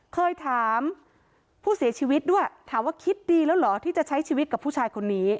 เคยถามผู้เสียชีวิตด้วยถามว่าคิดดีแล้วเหรอที่จะใช้ชีวิตกับผู้ชายคนนี้